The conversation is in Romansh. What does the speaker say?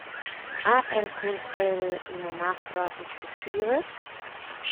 Ha el cun el ina mappa e scartiras?